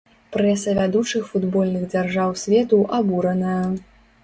Прэса вядучых футбольных дзяржаў свету абураная.